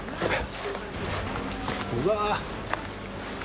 うわ！